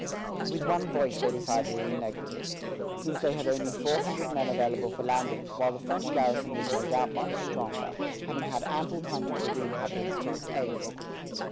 With one voice they decided in the negative, since they had only four hundred men available for landing, while the French garrison was no doubt much stronger, having had ample time to call the inhabitants to its aid.